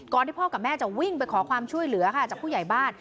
ที่พ่อกับแม่จะวิ่งไปขอความช่วยเหลือค่ะจากผู้ใหญ่บ้าน